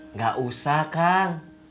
nggak usah kang